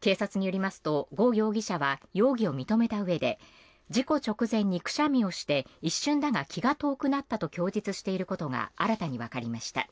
警察によりますと呉容疑者は容疑を認めたうえで事故直前にくしゃみをして一瞬だが気が遠くなったと供述していることが新たにわかりました。